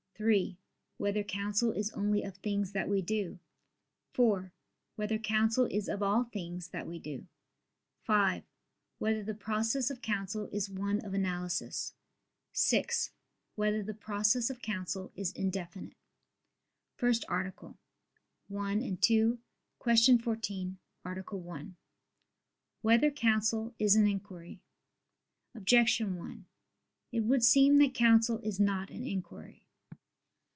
(3) Whether counsel is only of things that we do? (4) Whether counsel is of all things that we do? (5) Whether the process of counsel is one of analysis? (6) Whether the process of counsel is indefinite? ________________________ FIRST ARTICLE [I II, Q. 14, Art. 1] Whether Counsel Is an Inquiry? Objection 1: It would seem that counsel is not an inquiry.